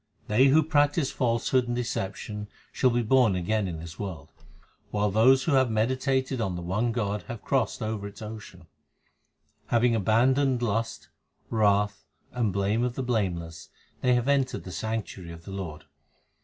They who practise falsehood and deception shall be born again in this world, While those who have meditated on the one God have crossed over its ocean ; Having abandoned lust, wrath, and blame of the blameless, they have entered the sanctuary of the Lord.